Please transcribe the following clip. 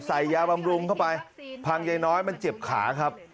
ยาบำรุงเข้าไปพังยายน้อยมันเจ็บขาครับ